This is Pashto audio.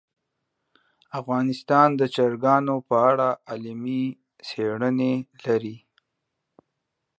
افغانستان د چرګانو په اړه علمي څېړني لري.